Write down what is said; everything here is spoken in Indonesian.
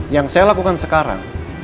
yang saya lakukan sekarang